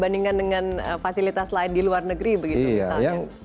bandingkan dengan fasilitas lain di luar negeri begitu misalnya